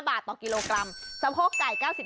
บาทต่อกิโลกรัมสะพกาลท์ไก่